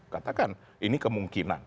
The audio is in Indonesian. katakan ini kemungkinan